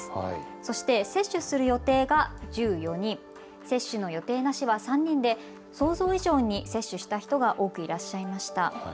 そして接種する予定が１４人、接種の予定なしは３人で想像以上に接種した人が多くいらっしゃいました。